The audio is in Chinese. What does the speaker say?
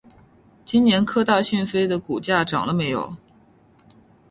今年科大讯飞的股价涨了没有？